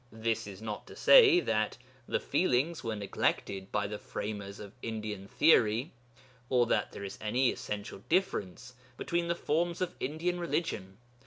This is not to say that the feelings were neglected by the framers of Indian theory, or that there is any essential difference between the forms of Indian religion.